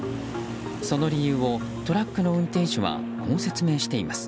その理由を、トラックの運転手はこう説明しています。